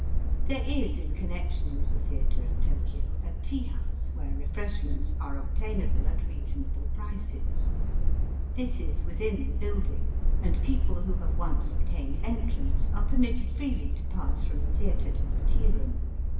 There is in connection with the theatre at Tokio a tea house, where refreshments are obtainable at reasonable prices. This is with in the building, and people who have once obtained entrance are permitted freely to pass from the theatre to the tea room.